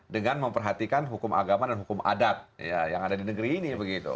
dengan memperhatikan hukum agama dan hukum adat yang ada di negeri ini